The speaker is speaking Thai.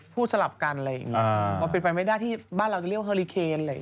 พูดสลับกันอะไรอย่างนี้เป็นไปไม่ได้ที่บ้านเราก็เรียกฮอริเคน